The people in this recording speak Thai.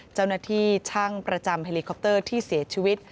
เจ้าหน้าที่ช่างประจำเฮลิคอปเตอร์ที่เสียชีวิต